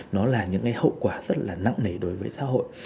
nó là những cái hậu quả rất là nặng nề đối với xã hội